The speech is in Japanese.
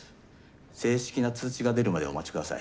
正式な通知が出るまでお待ち下さい。